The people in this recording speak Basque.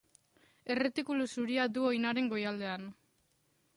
Erretikulu zuria du oinaren goialdean.